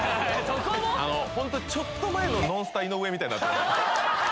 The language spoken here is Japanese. あのホントちょっと前のノンスタ井上みたいになってます